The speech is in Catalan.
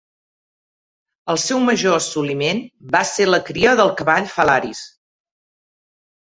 El seu major assoliment va ser la cria del cavall Phalaris.